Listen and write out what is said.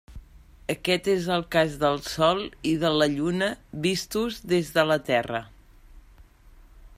Aquest és el cas del Sol i de la Lluna vistos des de la Terra.